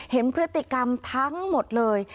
เห็นพฤติกรรมทั้งหมดเลย